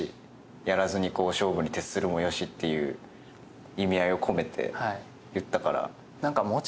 やらずに勝負に徹するもよしという意味合いを込めて言ったから。